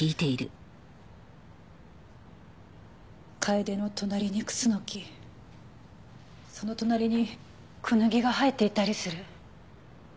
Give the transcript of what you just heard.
カエデの隣にクスノキその隣にクヌギが生えていたりする。